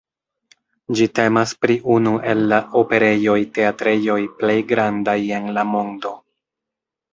Ĝi temas pri unu el la operejoj-teatrejoj plej grandaj en la mondo.